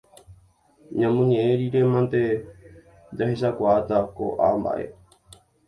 Ñamoñe'ẽ rirémante jahechakuaáta ko'ã mba'e